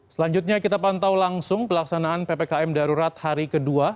selanjutnya kita pantau langsung pelaksanaan ppkm darurat hari kedua